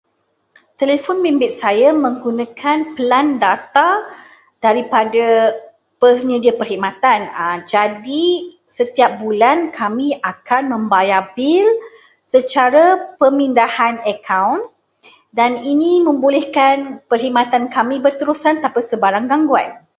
Telefon bimbit saya menggunakan pelan data daripada penyedia perkhidmatan. Jadi, setiap bulan kami akan membayar bil secara pemindahan akaun, dan ini membolehkan perkhidmatan kami berterusan tanpa sebarang gangguan.